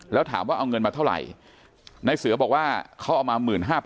แล้วถามว่าเอาเงินมาเท่าไหร่ในเสือบอกว่าเขาเอามา๑๕๐๐๐